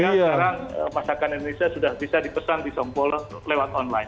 sekarang masakan indonesia sudah bisa dipesan di sompol lewat online